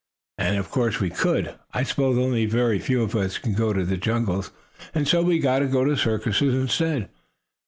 And of course we could, I suppose, only very few of us can go to jungles, and so we go to circuses instead.